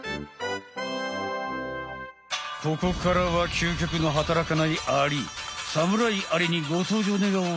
ここからは究極の働かないアリサムライアリにご登場ねがおう。